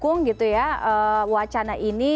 yang mendukung wacana ini